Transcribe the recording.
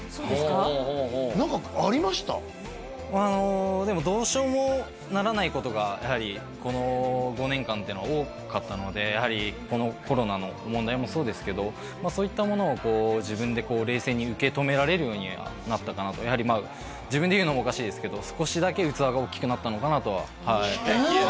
あのでもどうしようもならないことがやはりこの５年間っていうのは多かったのでやはりこのコロナの問題もそうですけどそういったものを自分でこう冷静に受け止められるようにはなったかなとやはりまあ自分で言うのもおかしいですけどのかなとははいうわ！